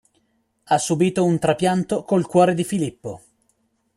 Ha subito un trapianto col cuore di Filippo.